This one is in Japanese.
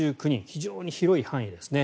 非常に広い範囲ですね。